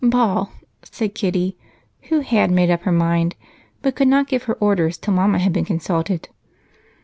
ball," said Kitty, who had made up her mind, but could not give her orders till Mama had been consulted.